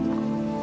terima kasih nek